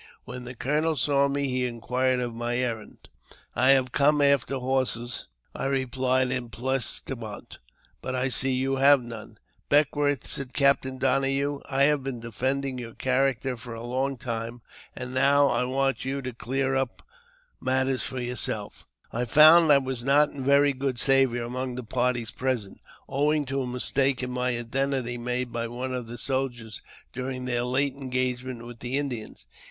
When the colonel saw me, he inquired of me my errand. " I have come after horses," I replied, en plaisantant ;" but I see you have none." "Beckwourth," said a Captain Donohue, "I have been defending your character for a long time, and I now want you to clear up matters for yourself." I found I was not in very good savour among the parties present, owing to a mistake in my identity made by one of the soldiers during their late engagement with the Indians.